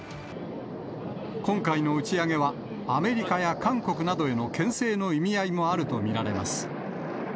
今回の打ち上げは、アメリカや韓国などへのけん制の意味合いもあると見られます。